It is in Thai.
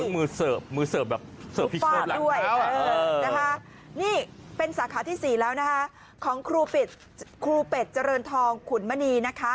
มือเซิร์ฟอยู่ฝั่งด้วยนี่จะเป็นสาขาที่๔แล้วนะของครูเป็ดเจริญทองขุนมณี